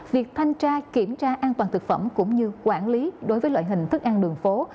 việc thanh tra kiểm tra an toàn thực phẩm cũng như quản lý đối với loại hình thức ăn đường phố